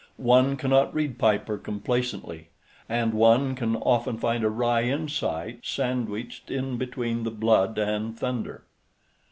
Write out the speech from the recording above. One cannot read Piper complacently. And one can often find a wry insight sandwiched in between the blood and thunder.